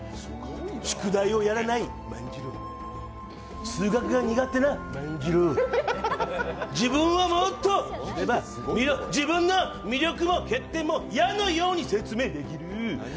宿題をやらない万次郎、数学が苦手な万次郎、自分をもっと、自分の魅力を減っても矢のように説明できる！